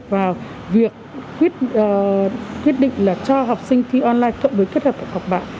vào việc quyết định là cho học sinh thi online cộng với kết hợp với học bạn